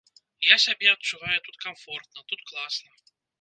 Я сябе адчуваю тут камфортна, тут класна.